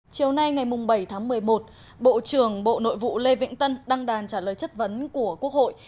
chiều nay ngày bảy tháng một mươi một bộ trưởng bộ nội vụ lê vĩnh tân đăng đàn trả lời chất vấn của quốc hội